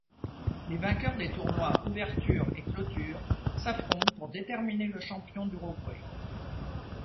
Les vainqueurs des tournois Ouverture et Clôture s'affrontent pour déterminer le champion d'Uruguay.